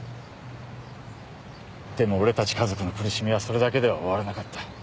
でも俺たち家族の苦しみはそれだけでは終わらなかった。